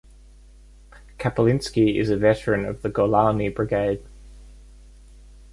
Kaplinski is a veteran of the Golani Brigade.